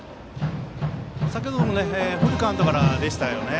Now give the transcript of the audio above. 先ほどもフルカウントからでしたよね。